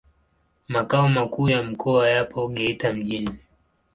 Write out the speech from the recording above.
Makao makuu ya mkoa yapo Geita mjini.